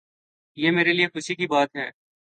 یہ میرے لیے خوشی کی بات ہے۔